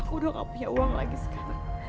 udah gak punya uang lagi sekarang